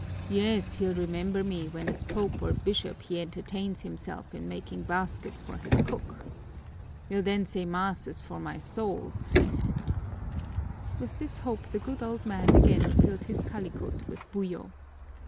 Yes, he'll remember me when as Pope or bishop he entertains himself in making baskets for his cook. He'll then say masses for my soul he, he!" With this hope the good old man again filled his kalikut with buyo.